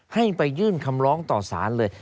ให้ไปยื่นคำร้องต่อสารเลย